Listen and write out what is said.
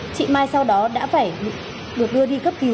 chị mai sau đó đã được đưa đi cấp cứu